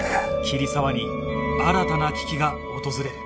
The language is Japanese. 桐沢に新たな危機が訪れる